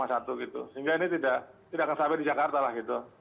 sehingga ini tidak akan sampai di jakarta lah gitu